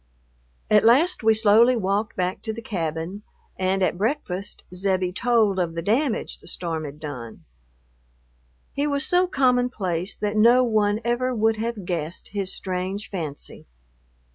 At last we slowly walked back to the cabin, and at breakfast Zebbie told of the damage the storm had done. He was so common place that no one ever would have guessed his strange fancy....